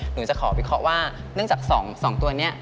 หนูจะขอวิเคราะห์ว่าเนื่องจาก๒ตัวนี้